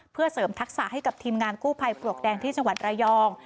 เพื่อเสริมทักษะให้กับทีมงานกู้ภัยปลวกแดงที่จังหวัดระยอง